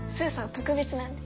特別なんで。